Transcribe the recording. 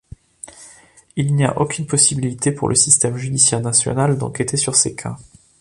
Il n'y a aucune possibilité pour le système judiciaire national d'enquêter sur ces cas.